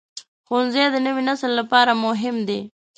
ښوونځی د نوي نسل لپاره مهم دی.